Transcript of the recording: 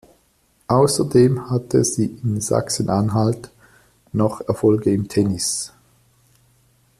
Außerdem hatte sie in Sachsen-Anhalt noch Erfolge im Tennis.